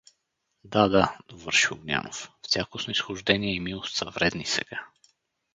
— Да, да — довърши Огнянов; — всяко снизхождение и милост са вредни сега.